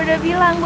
sudah kita masuk